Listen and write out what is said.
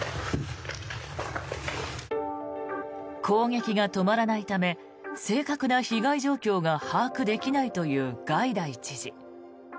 攻撃が止まらないため正確な被害状況が把握できないというガイダイ知事。